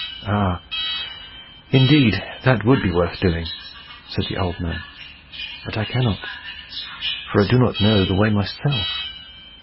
"Ah! indeed, that would be worth doing," said the old man. "But I cannot, for I do not know the way myself.